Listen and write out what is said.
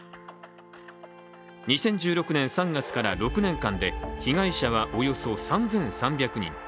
２０１６年３月から６年間で被害者はおよそ３３００人。